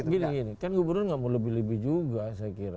gini gini kan gubernur nggak mau lebih lebih juga saya kira